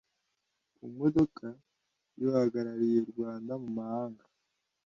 ku modoka y’uhagarariye u rwanda mu mahanga